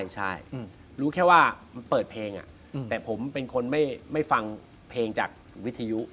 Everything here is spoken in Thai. ใช่รู้แค่ว่ามันเปิดเพลงแต่ผมเป็นคนไม่ฟังเพลงจากวิทยุ